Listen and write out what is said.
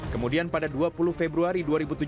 kemudian pada dua puluh februari dua ribu tujuh belas